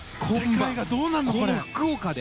この福岡で。